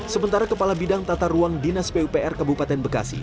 sementara kepala bidang tata ruang dinas pupr kabupaten bekasi